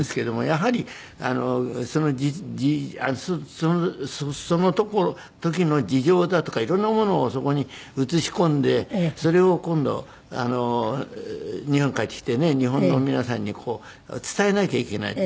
やはりその時の事情だとか色んなものをそこに写し込んでそれを今度日本帰ってきてね日本の皆さんに伝えなきゃいけない。